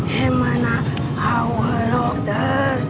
gimana aku dokter